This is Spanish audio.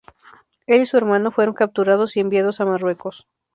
Él y su hermano fueron capturados y enviados a Marruecos.